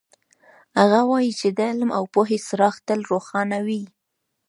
هغه وایي چې د علم او پوهې څراغ تل روښانه وي